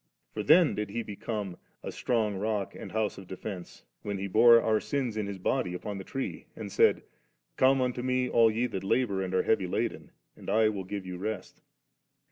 For then did He become * a strong rock and house of defence,' when He bore our sins in His own body upon the tree, and said, * Come unto Me, all ye that labour and are heavy laden, and I will give you rest 5.'